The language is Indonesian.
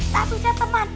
tak tucat teman